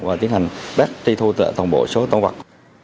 và tiến hành bác tri thu tựa thông bộ số tôn vật